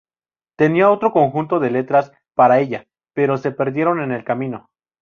Tenía otro conjunto de letras para ella, pero se perdieron en el camino.